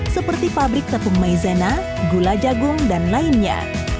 seperti pabrik tepung maizena gula jagung dan lainnya